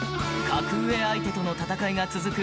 格上相手との戦いが続く